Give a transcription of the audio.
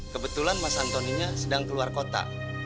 kebetulan mas antoninya sedang keluar kota